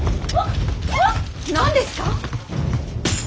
何ですか。